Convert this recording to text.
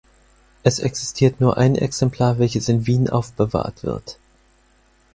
Es existiert nur ein Exemplar, welches in Wien aufbewahrt wird.